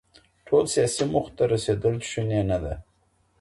ټولو سياسي موخو ته رسېدل شونې نه ده.